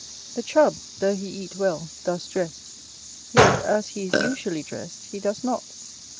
The Chub, though he eat well, thus dressed, yet as he is usually dressed, he does not.